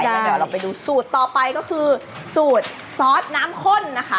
งั้นเดี๋ยวเราไปดูสูตรต่อไปก็คือสูตรซอสน้ำข้นนะคะ